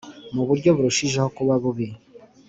mu buryo burushijeho kuba bubi